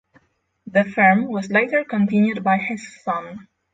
The firm was later continued by his son.